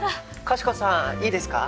かしこさんいいですか？